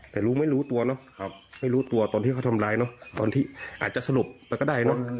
แต่รู้ไม่รู้ตัวเนอะไม่รู้ตัวตอนที่เขาทำร้ายเนอะตอนที่อาจจะสรุปไปก็ได้เนอะ